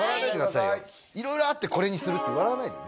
いろいろあってこれにするって笑わないでね。